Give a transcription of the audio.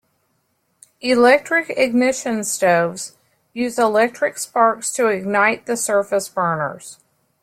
Electric ignition stoves use electric sparks to ignite the surface burners.